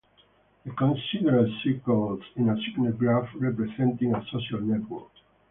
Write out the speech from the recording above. They considered cycles in a signed graph representing a social network.